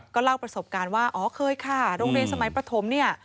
เล่าประสบการณ์ว่าอ๋อเคยค่ะโรงเรียนสมัยประถมเนี่ย